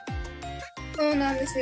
そうなんですよ。